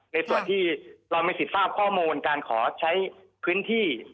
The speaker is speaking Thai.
ในส่วนที่เรามีสิทธิ์ทราบข้อมูลการขอใช้พื้นที่